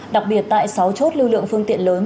đặc biệt tại sáu chốt lưu lượng phương tiện lớn